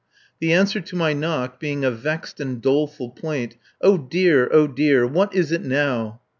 The answer to my knock being a vexed and doleful plaint: "Oh, dear! Oh, dear! What is it now?"